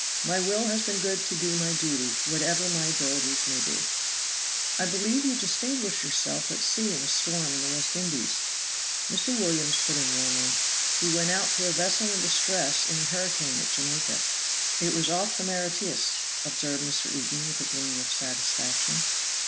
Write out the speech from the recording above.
"My will has been good to do my duty, whatever my abilities may be." "I believe you distinguished yourself at sea in a storm in the West Indies?" Mr. Williams put in warmly, "He went out to a vessel in distress in a hurricane at Jamaica." "It was off the Mauritius," observed Mr. Eden with a gleam of satisfaction.